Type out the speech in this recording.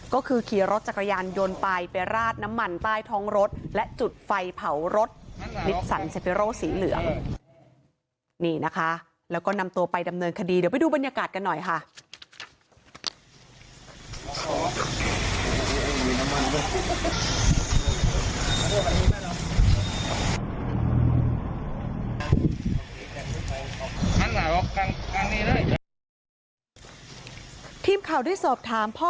ก็คือขี่รถจักรยานยนต์ไปไปราดน้ำมันใต้ท้องรถและจุดไฟเผารถนิสสันเซเปโร่สีเหลืองนี่นะคะแล้วก็นำตัวไปดำเนินคดีเดี๋ยวไปดูบรรยากาศกันหน่อยค่ะ